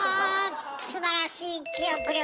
すばらしい記憶力。